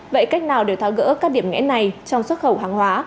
vậy cách nào đều tháo gỡ các điểm nghẽ này trong xuất khẩu hàng hóa